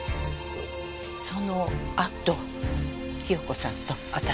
そのあと清子さんと私が来ました。